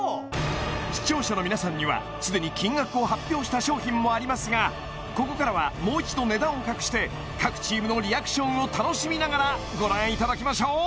視聴者の皆さんには既に金額を発表した商品もありますがここからはもう一度値段を隠して各チームのリアクションを楽しみながらご覧いただきましょう